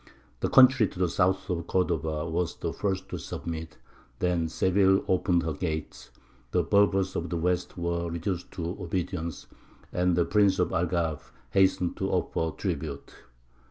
The country to the south of Cordova was the first to submit; then Seville opened her gates; the Berbers of the west were reduced to obedience; and the prince of Algarve hastened to offer tribute.